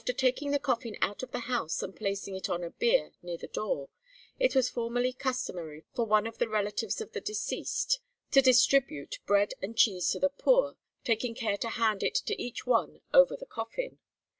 After taking the coffin out of the house and placing it on a bier near the door, it was formerly customary for one of the relatives of the deceased to distribute bread and cheese to the poor, taking care to hand it to each one over the coffin.